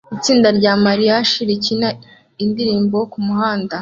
Itsinda rya mariachi rikina indirimbo kumuhanda